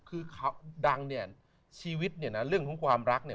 คือชีวิตในเรื่องทุ้งความรักนี่